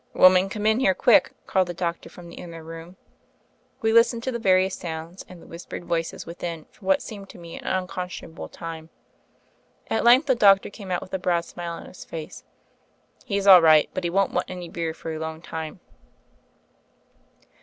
"Woman, come in here quick," called the doc tor from the inner room. We listened to the various sounds and the whispered voices within for what seemed to me an unconscionable time. At length the doctor came out with a broad smile on his face. "He's all right, but he won't want any beer for a long time.